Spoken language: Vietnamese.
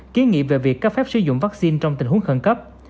ký nghị về việc cấp phép sử dụng vaccine trong tình huống khẩn cấp